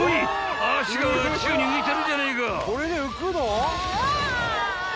［足が宙に浮いてるじゃねえか！］